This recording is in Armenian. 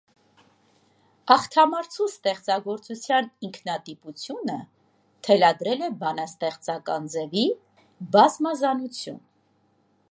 Աղթամարցու ստեղծագործության ինքնատիպությունը թելադրել է բանաստեղծական ձևի բազմազանություն։